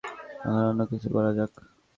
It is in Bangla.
এখন অন্য কিছু করা যাক।